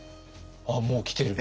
ああもう来てる。